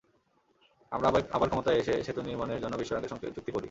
আমরা আবার ক্ষমতায় এসে সেতু নির্মাণের জন্য বিশ্বব্যাংকের সঙ্গে চুক্তি করি।